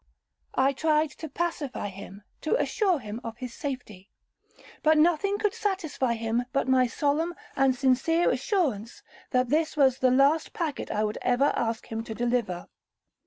I tried to pacify him, to assure him of his safety, but nothing could satisfy him but my solemn and sincere assurance that this was the last packet I would ever ask him to deliver.